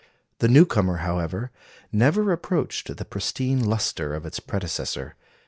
The newcomer, however, never approached the pristine lustre of its predecessor.